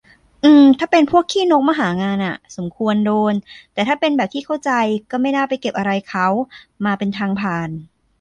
อือ ถ้าเป็นพวกขี้นกมาหางานอะ สมควรโดนแต่ถ้าเป็น แบบที่เข้าใจ ก็ไม่น่าไปเก็บอะไรเขา มาเป็นทางผ่าน